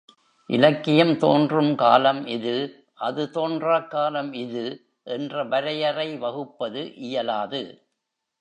இலக்கியம் தோன்றும் காலம் இது, அது தோன்றாக் காலம் இது என்ற வரையறை வகுப்பது இயலாது.